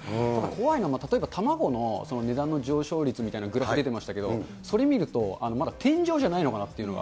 怖いのが、例えば卵の値段の上昇率みたいなグラフ出てましたけど、それ見ると、まだ天井じゃないのかなと。